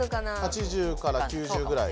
８０から９０ぐらい。